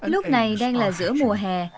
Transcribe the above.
lúc này đang là giữa mùa hè